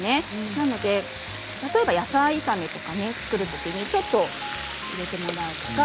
なので、例えば野菜炒めとかを作るときにちょっと入れてもらうとか。